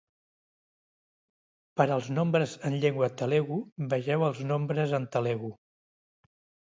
Per als nombres en llengua telugu vegeu els nombres en telugu.